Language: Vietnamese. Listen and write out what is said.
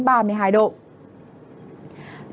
tại quần đảo hoàng sa